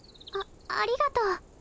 あありがとう。